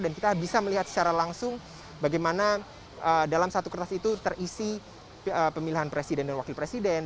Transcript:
dan kita bisa melihat secara langsung bagaimana dalam satu kertas itu terisi pemilihan presiden dan wakil presiden